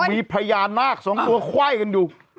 มีพญานาคสองตัวคว้ายกันดู